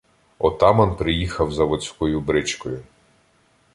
Отаман приїхав заводською бричкою.